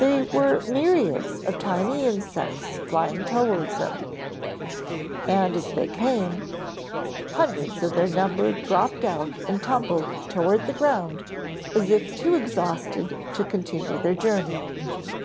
There were myriads of the tiny insects flying toward him, and as they came, hundreds of their number dropped out and tumbled toward the ground as if too exhausted to continue their journey.